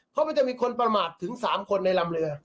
เพราะมันจะมีคนประมาทถึง๓คนในลำเรือ